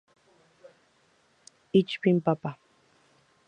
Ich bin Papa!